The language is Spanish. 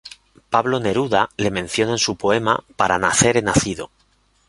Pablo Neruda le menciona en su poema "Para nacer he nacido".